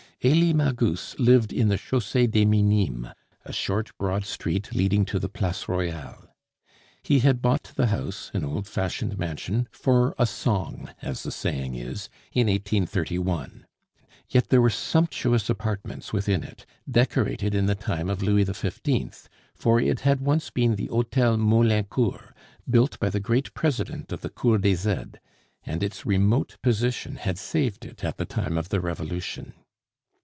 Elie Magus lived in the Chausee des Minimes, a short, broad street leading to the Place Royale. He had bought the house, an old fashioned mansion, for a song, as the saying is, in 1831. Yet there were sumptuous apartments within it, decorated in the time of Louis XV.; for it had once been the Hotel Maulaincourt, built by the great President of the Cour des Aides, and its remote position had saved it at the time of the Revolution.